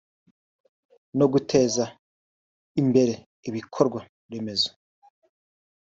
no guteza imbere ibikorwa remezo